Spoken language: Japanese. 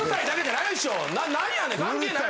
なんやねん関係ない。